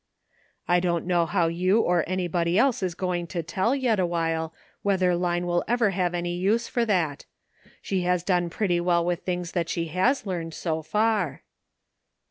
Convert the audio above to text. "I don't know how you or anybody else is going to tell, yet «a while, whether Line will ever have any use for that. She has done pretty well with things that she has learned, so far."